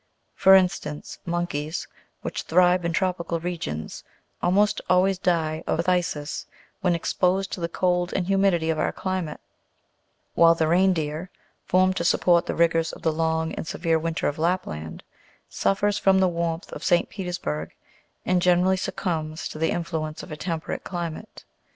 For instance, monkeys, which thrive in tropical regions, alrfiost always die of phthisis, when exposed to the cold and humidity of our climate; while the reindeer, formed to support the rigours of the long and severe winter of Lapland, suffers from the warmth of St. Peters burgh, and generally succumbs to the influence of a temperate climate.